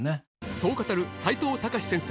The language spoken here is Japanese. そう語る齋藤孝先生